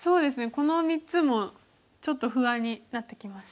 この３つもちょっと不安になってきました。